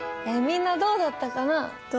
みんなどうだったかな？